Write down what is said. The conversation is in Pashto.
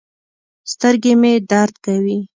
سترګې مې درد کوي